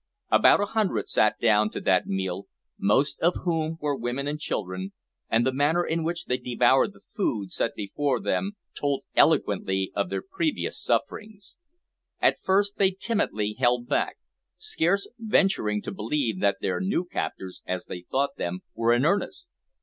About a hundred sat down to that meal, most of whom were women and children, and the manner in which they devoured the food set before them, told eloquently of their previous sufferings. At first they timidly held back, scarce venturing to believe that their new captors, as they thought them, were in earnest.